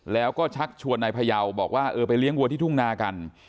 แล้วก็ชักชวนนายพยาวบอกว่าเออไปเลี้ยงวัวที่ทุ่งนากัน